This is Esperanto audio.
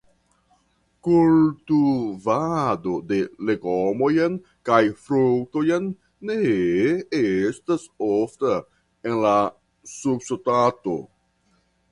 Kultuvado de legomojn kaj fruktojn ne estas ofta en la subŝtato.